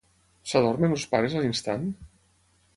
S'adormen els pares a l'instant?